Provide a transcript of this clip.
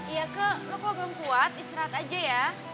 iya ke lo kok belum kuat istirahat aja ya